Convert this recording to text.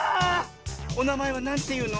おなまえはなんていうの？